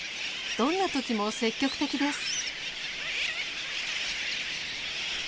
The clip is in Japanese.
どんな時も積極的です。